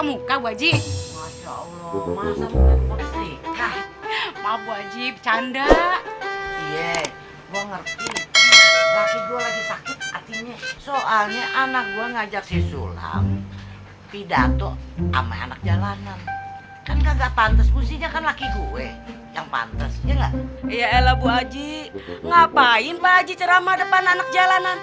muka wajib masya allah masa buat posisi maaf wajib canda gue ngerti lagi sakit hatinya soalnya